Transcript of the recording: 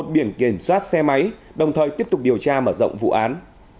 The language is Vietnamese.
biển kiểm soát xe máy đồng thời tiếp tục điều tra mở rộng vụ án